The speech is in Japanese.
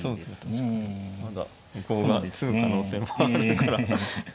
確かにまだ向こうが詰む可能性もあるから。